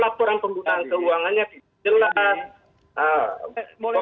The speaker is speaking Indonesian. laporan penggunaan keuangannya jelas